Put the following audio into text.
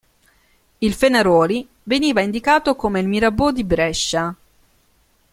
Il Fenaroli veniva indicato come "il Mirabeau di Brescia".